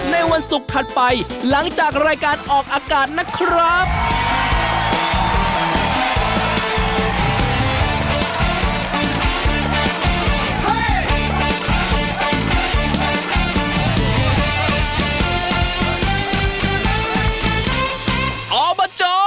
ติดตามรายการออกอากาศนะครับ